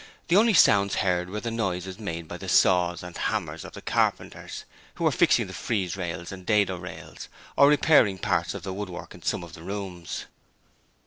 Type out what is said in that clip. The only sounds heard were the noises made by the saws and hammers of the carpenters who were fixing the frieze rails and dado rails or repairing parts of the woodwork in some of the rooms.